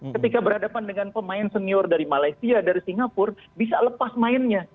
ketika berhadapan dengan pemain senior dari malaysia dari singapura bisa lepas mainnya